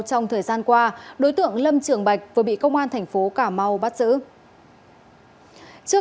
trong thời gian qua đối tượng lâm trường bạch vừa bị công an thành phố cà mau bắt giữ